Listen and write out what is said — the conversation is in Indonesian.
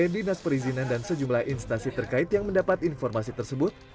dinas perizinan dan sejumlah instasi terkait yang mendapat informasi tersebut